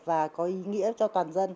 và có ý nghĩa cho toàn dân